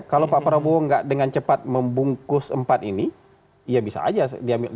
kalau pak prabowo enggak dengan cepat membungkus empat ini ya bisa aja diambil